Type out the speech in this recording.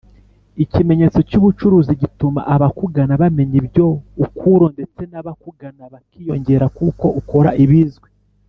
ikimenyetso cy ubucuruzi gituma abakugana bamenya ibyo ukuro ndetse nabakugana bakiyongera kuko ukora ibizwi.